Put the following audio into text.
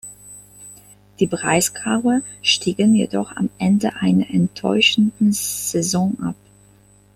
Die Breisgauer stiegen jedoch am Ende einer enttäuschenden Saison ab.